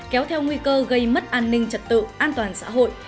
kéo theo nguy cơ gây mất an ninh trật tự an toàn xã hội